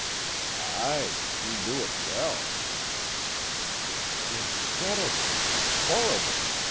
"Aye, he knew it well." "Incredible horrible!"